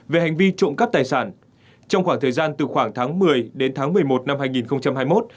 về hành vi trộm cắp tài sản trong khoảng thời gian từ khoảng tháng một mươi đến tháng một mươi một năm hai nghìn hai mươi một